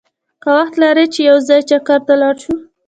که وخت لرې چې یو ځای چکر ته لاړ شو!